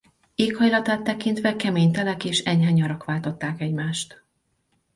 Éghajlatát tekintve kemény telek és enyhe nyarak váltották egymást.